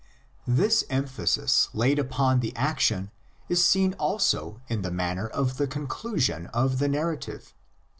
This emphasis laid upon the action is seen also in the manner of the conclusion of the narrative.